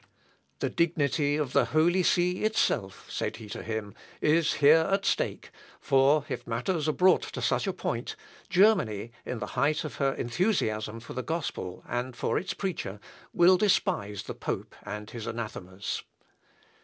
"The dignity of the holy see itself," said he to him, "is here at stake, for if matters are brought to such a point, Germany, in the height of her enthusiasm for the gospel, and for its preacher, will despise the pope and his anathemas."